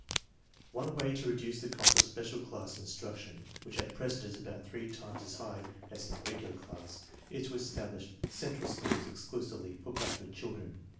One way to reduce the cost of special class instruc tion, which at present is about three times as high as in the regular class, is to establish central schools 132 INTELLIGENCE OF SCHOOL CHILDREN exclusively for backward children.